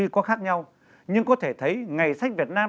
các tổ chức khác nhau nhưng có thể thấy ngày sách việt nam